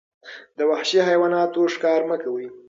د وحشي حیواناتو ښکار مه کوئ.